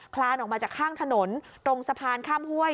คลานออกมาจากข้างถนนตรงสะพานข้ามห้วย